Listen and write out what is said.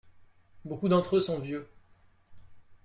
Beaucoup d’entre eux sont vieux.